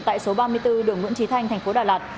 tại số ba mươi bốn đường nguyễn trí thanh tp đà lạt